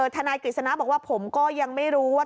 ทนายกฤษณะบอกว่าผมก็ยังไม่รู้ว่า